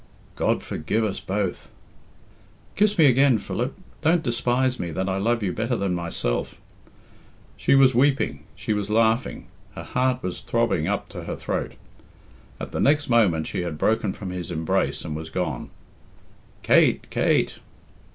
"God forgive us both!" "Kiss me again, Philip! Don't despise me that I love you better than myself!" She was weeping, she was laughing, her heart was throbbing up to her throat. At the next moment she had broken from his embrace and was gone. "Kate! Kate!"